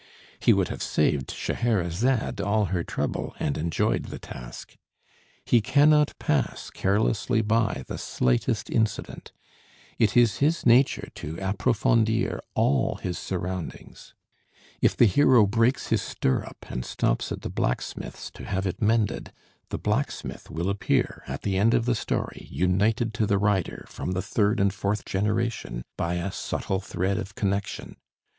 He would have saved Scheherazade all her trouble and enjoyed the task. He cannot pass carelessly by the slightest incident; it is his nature to approfondir all his surroundings: if the hero breaks his stirrup and stops at the blacksmith's to have it mended, the blacksmith will appear at the end of the story united to the rider, from the third and fourth generation, by a subtle thread of connection.